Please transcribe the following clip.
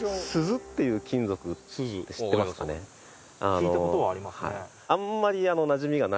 聞いたことはありますね。